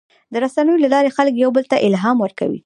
د رسنیو له لارې خلک یو بل ته الهام ورکوي.